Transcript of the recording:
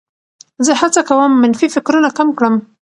زه هڅه کوم منفي فکرونه کم کړم.